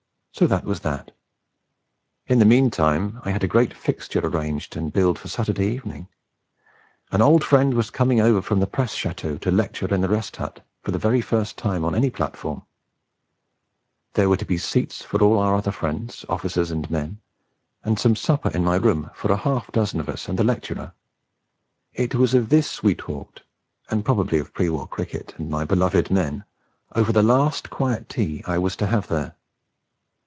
So that was that. In the meantime I had a great fixture arranged and billed for the Saturday evening. An old friend was coming over from the Press Château to lecture in the Rest Hut, for the first time on any platform; there were to be seats for all our other friends, officers and men, and some supper in my room for half a dozen of us and the lecturer. It was of this we talked, and probably of pre war cricket, and my beloved men, over the last quiet tea I was to have there.